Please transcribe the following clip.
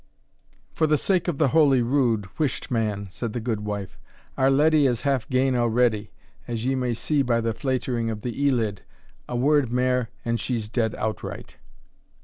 "For the sake of the holy rood, whisht, man," said the goodwife, "our leddy is half gane already, as ye may see by that fleightering of the ee lid a word mair and she's dead outright."